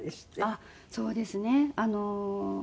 あっそうですね。